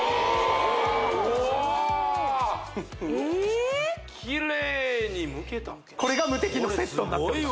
おおえっキレイにむけたこれがムテキのセットになってます